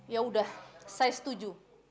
ya udah saya setuju